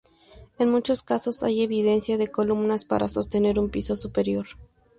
En muchos casos hay evidencia de columnas para sostener un piso superior.